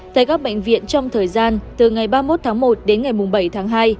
tại các bệnh viện trong thời gian từ ngày ba mươi một tháng một đến ngày bảy tháng hai